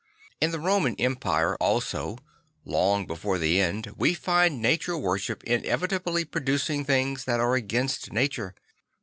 In the Roman Empire also, long before the end, we find nature worship inevitably pro ducing things that are against nature.